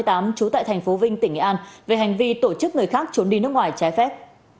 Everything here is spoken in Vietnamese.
trú tại thành phố vinh tỉnh nghệ an về hành vi tổ chức người khác trốn đi nước ngoài trái phép